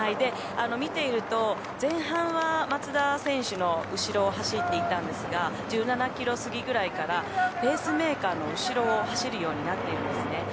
見ていると前半は松田選手の後ろを走っていたんですが１７キロ過ぎぐらいからペースメーカーの後ろを走るようになっているんですね。